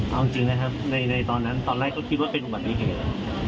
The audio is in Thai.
เอาจริงนะครับในตอนนั้นตอนแรกก็คิดว่าเป็นอุบัติเหตุ